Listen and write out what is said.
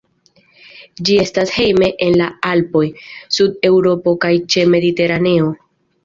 Ĝi estas hejme en la Alpoj, Sud-Eŭropo kaj ĉe Mediteraneo.